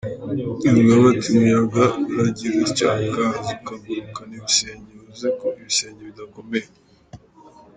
Yungamo ati “Umuyaga uragira utya ukaza ukagurukana ibisenge, bivuze ko ibisenge bidakomeye.